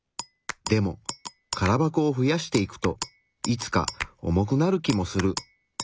でも空箱を増やしていくといつか重くなる気もする。